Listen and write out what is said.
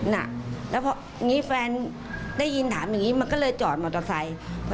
นี่แฟนได้ยินถามอย่างนี้มันก็เลยจอดมอเตอร์ไซค์